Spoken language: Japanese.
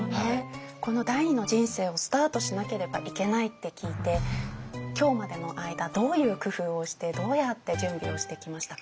この第２の人生をスタートしなければいけないって聞いて今日までの間どういう工夫をしてどうやって準備をしてきましたか？